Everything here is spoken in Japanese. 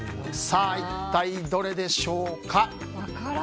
一体どれでしょうか。